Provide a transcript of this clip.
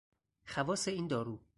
خواص این دارو